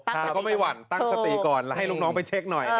แต่ก็ไม่หวั่นตั้งสติก่อนแล้วให้ลูกน้องไปเช็คหน่อย